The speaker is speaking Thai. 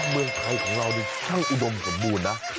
เมืองไทยของเราช่างอุดมของหมูนนะ